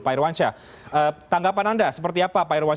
pak irwansyah tanggapan anda seperti apa